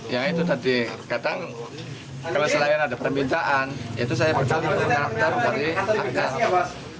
ya itu tadi kadang kalau selain ada permintaan itu saya akan mengaktar dari akar